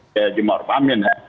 ya jum'at pamin